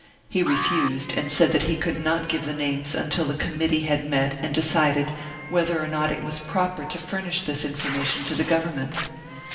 He refused, and said that he could not give the names until the committee had met and decided whether or not it was proper to furnish this information to the Government.